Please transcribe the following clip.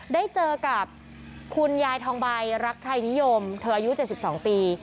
ได้เจอกับคุณยายทองใบรักไทยนิยมเธออายุ๗๒ปี